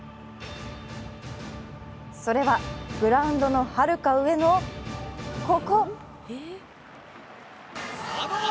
それはグラウンドのはるか上のここ！